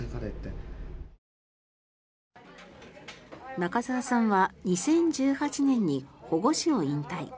中澤さんは２０１８年に保護司を引退。